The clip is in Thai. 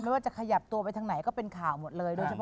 หรือว่าจะขยับตัวไปทางไหนก็เป็นข่าวหมดเลย